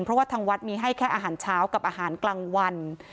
เพราะว่าทางวัดมีให้แค่อาหารเช้ากับอาหารกลางวัน